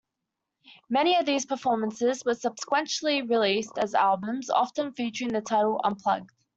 Many of these performances were subsequently released as albums, often featuring the title "Unplugged".